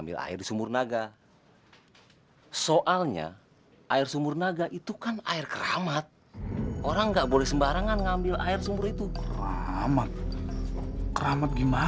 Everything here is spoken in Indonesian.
bu saya pamit sebentar saja saya mau tengok anak anak saya